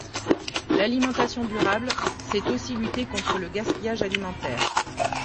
L'alimentation durable, c'est aussi lutter contre le gaspillage alimentaire.